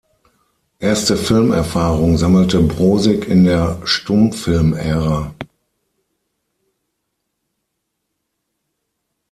Erste Filmerfahrung sammelte Brosig in der Stummfilmära.